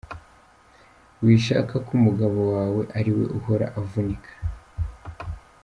Wishaka ko umugabo wawe ariwe uhora avunika.